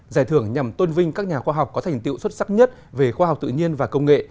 giải thưởng nhằm tôn vinh các nhà khoa học có thành tiệu xuất sắc nhất về khoa học tự nhiên và công nghệ